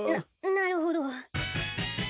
ななるほど。